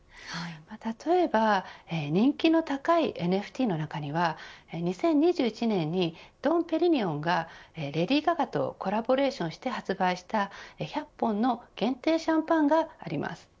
例えば人気の高いＮＦＴの中には２０２１年にドン・ペリニヨンがレディー・ガガとコラボレーションして発売した１００本の限定シャンパンがあります。